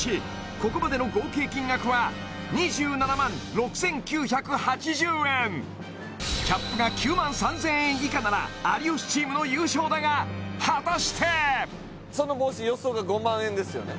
ここまでの合計金額は２７万６９８０円キャップが９万３０００円以下なら有吉チームの優勝だが果たしてその帽子予想が５万円ですよね？